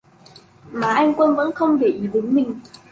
Má anh quân vẫn không để ý đến mình